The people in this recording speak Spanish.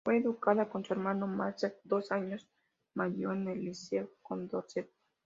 Fue educado con su hermano Marcel, dos años mayor, en el Liceo Condorcet.